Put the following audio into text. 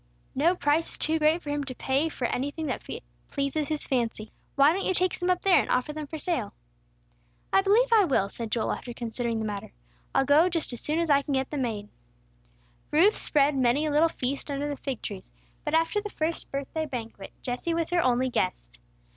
No price is too great for him to pay for anything that pleases his fancy. Why don't you take some up there, and offer them for sale?" "I believe I will," said Joel, after considering the matter. "I'll go just as soon as I can get them made." Ruth spread many a little feast under the fig trees; but after the first birthday banquet, Jesse was her only guest.